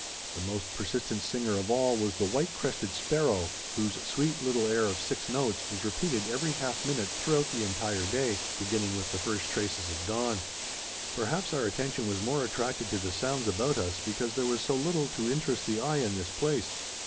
The most persistent singer of all was the white crested sparrow, whose sweet little air of six notes was repeated every half minute throughout the entire day, beginning with the first traces of dawn. Perhaps our attention was more attracted to the sounds about us because there was so little to interest the eye in this place.